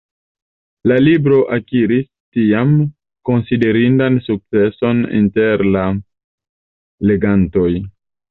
La libro akiris, tiam, konsiderindan sukceson inter la legantoj.